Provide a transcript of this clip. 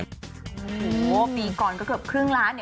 โอ้โหปีก่อนก็เกือบครึ่งล้านเนี่ย